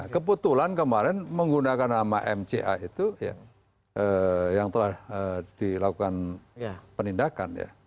kebetulan kemarin menggunakan nama mca itu yang telah dilakukan penindakan ya